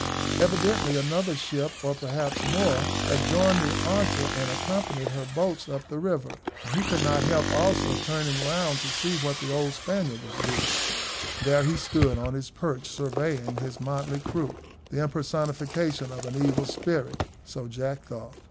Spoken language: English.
Evidently another ship, or perhaps more, had joined the Archer and accompanied her boats up the river. He could not help also turning round to see what the old Spaniard was doing. There he stood on his perch surveying his motley crew the impersonation of an evil spirit so Jack thought.